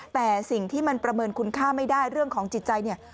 แต่สิ่งที่มันประเมินคุณค่าไม่ได้เรื่องของจิตใจเนี่ย